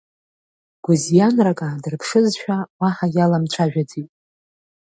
Гәызианрак аадырԥшызшәа, уаҳа иламцәажәаӡеит.